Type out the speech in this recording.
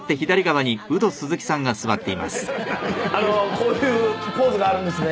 こういうポーズがあるんですね。